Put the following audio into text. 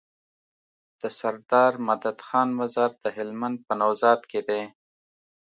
دسردار مدد خان مزار د هلمند په نوزاد کی دی